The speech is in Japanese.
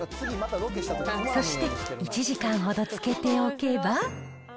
そして１時間ほど漬けておけば。